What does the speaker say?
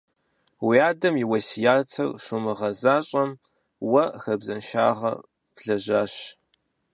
Уи адэм и уэсятыр щумыгъэзэщӀэм, уэ хабзэншагъэ блэжьащ.